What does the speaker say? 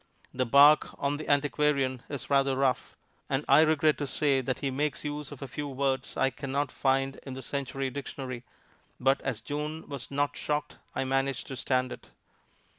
The bark on the antiquarian, is rather rough; and I regret to say that he makes use of a few words I can not find in the "Century Dictionary," but as June was not shocked I managed to stand it.